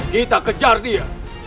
kita kejar dia